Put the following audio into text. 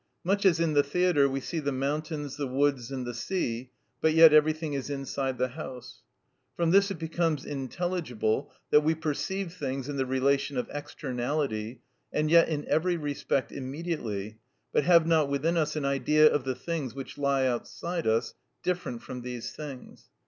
Much as in the theatre we see the mountains, the woods, and the sea, but yet everything is inside the house. From this it becomes intelligible that we perceive things in the relation of externality, and yet in every respect immediately, but have not within us an idea of the things which lie outside us, different from these things.